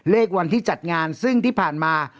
เลขวันที่จัดงานซึ่งที่ผ่านมา